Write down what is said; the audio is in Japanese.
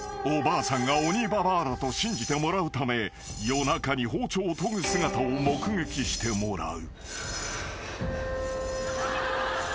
［おばあさんが鬼ババアだと信じてもらうため夜中に包丁を研ぐ姿を目撃してもらう］